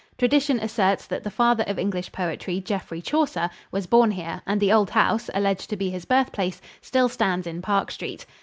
Tradition asserts that the father of English poetry, Geoffrey Chaucer, was born here and the old house, alleged to be his birthplace, still stands in Park Street.